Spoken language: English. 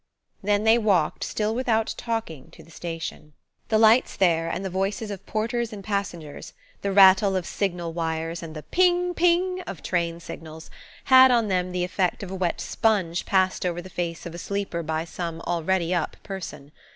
Then they walked, still without talking, to the station. The lights there, and the voices of porters and passengers, the rattle of signal wires and the "ping, ping" of train signals, had on them the effect of a wet sponge passed over the face of a sleeper by some "already up" person.